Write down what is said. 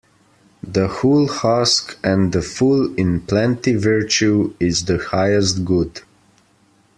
The hull husk and the full in plenty Virtue is the highest good.